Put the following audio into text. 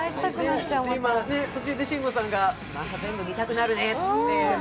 今、途中で慎吾さんが全部見たくなるねって。